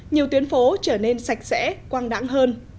nhiều tuyến phố trở nên sạch sẽ quang đẳng hơn